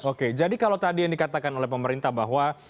oke jadi kalau tadi yang dikatakan oleh pemerintah bahwa